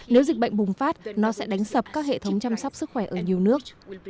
nếu dịch bệnh bùng phát nó sẽ đánh sập các hệ thống chăm sóc sức khỏe ở nhiều nước